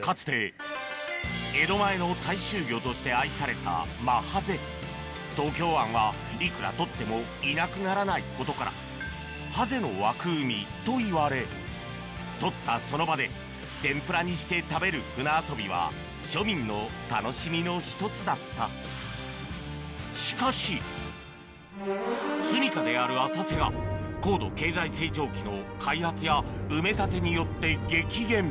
かつて江戸前の大衆魚として愛されたマハゼ東京湾はいくら取ってもいなくならないことからハゼの湧く海といわれ取ったその場で天ぷらにして食べる舟遊びは庶民の楽しみの１つだったしかしすみかである浅瀬が高度経済成長期の開発や埋め立てによって激減